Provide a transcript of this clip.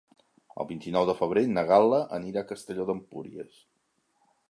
El vint-i-nou de febrer na Gal·la anirà a Castelló d'Empúries.